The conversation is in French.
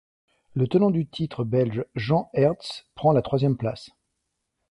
Le tenant du titre belge, Jean Aerts prend la troisième place.